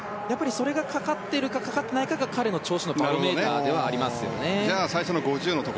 それが、かかっているかかかっていないかが彼の調子のバロメーターではありますね。